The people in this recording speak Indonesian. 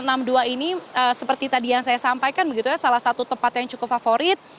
kilometer enam ini seperti tadi yang saya sampaikan salah satu tempat yang cukup favorit